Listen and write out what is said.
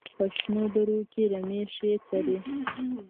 په شنو درو کې رمې ښې څري.